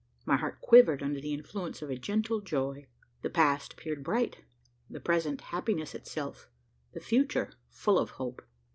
My heart quivered under the influence of a gentle joy. The past appeared bright; the present, happiness itself; the future, full of hope.